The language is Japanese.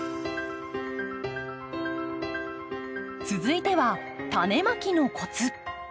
続いてはタネまきのコツ。